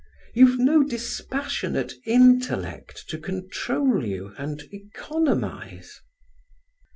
You've no dispassionate intellect to control you and economize."